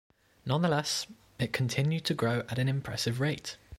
Nonetheless, it continued to grow at an impressive rate.